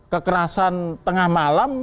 kekerasan tengah malam